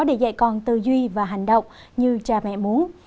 để dạy con tư duy và hành động như cha mẹ muốn